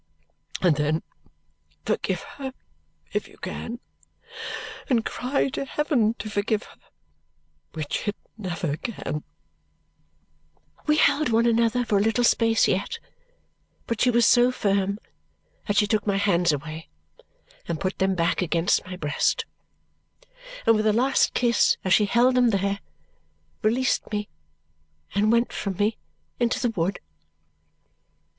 And then forgive her if you can, and cry to heaven to forgive her, which it never can!" We held one another for a little space yet, but she was so firm that she took my hands away, and put them back against my breast, and with a last kiss as she held them there, released them, and went from me into the wood.